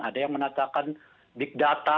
ada yang mengatakan big data